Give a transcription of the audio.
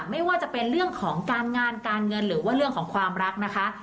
ไม่ว่าจะเป็นเรื่องของการงานการเงินหรือว่าเรื่องของความรักนะคะ